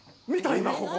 今、ここ。